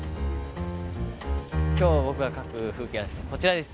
今日僕が描く風景はこちらです。